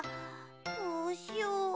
どうしよう。